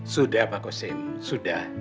sudah pak kusin sudah